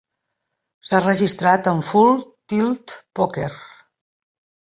S'ha registrat amb Full Tilt Poker.